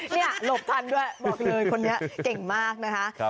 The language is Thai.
นี่หลบทันด้วยบอกเลยคนนี้เก่งมากนะคะ